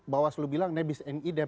bawaslu bilang nebis en idem